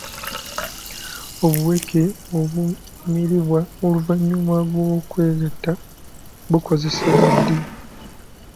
Obuweke obumiribwa oluvannyuma lw'okwegatta bukozesebwa ddi?